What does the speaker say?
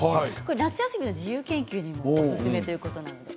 夏休みの自由研究にもおすすめということです。